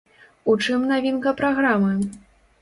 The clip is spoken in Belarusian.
У чым навінка праграмы?